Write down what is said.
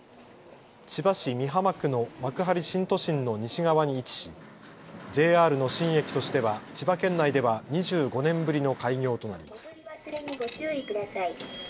千葉市美浜区の幕張新都心の西側に位置しＪＲの新駅としては千葉県内では２５年ぶりの開業となります。